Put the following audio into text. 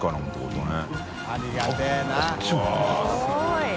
すごい。